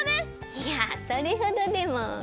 いやそれほどでも。